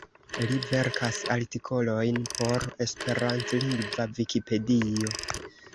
Li verkas artikolojn por esperantlingva Vikipedio.